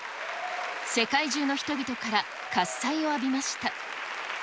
世界中の人々から喝采を浴びました。